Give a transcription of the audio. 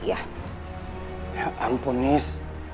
ya ampun nis